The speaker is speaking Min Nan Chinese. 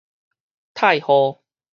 太昊